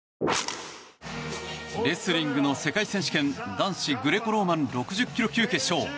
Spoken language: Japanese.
レスリングの世界選手権男子グレコローマン６０ｋｇ級決勝。